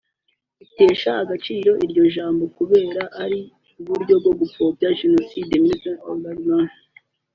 bitesha agaciro iryo jambo bikaba ari uburyo bwo gupfobya Jenoside (minimiser ou banaliser)